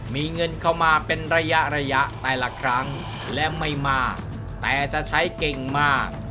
มีเงินเข้ามาเป็นระยะระยะแต่ละครั้งและไม่มากแต่จะใช้เก่งมาก